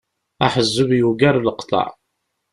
Aḥezzeb yugar leqḍeɛ.